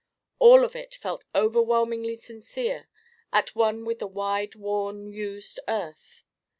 All of it felt overwhelmingly sincere: at one with the wide worn used earth.